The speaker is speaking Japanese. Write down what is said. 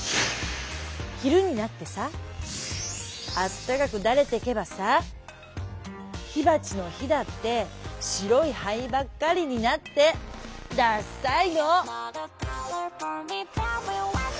昼になってさあったかくだれてけばさ火ばちの火だって白い灰ばっかりになってだっさいの」。